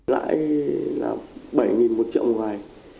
lãi là bảy một triệu một vài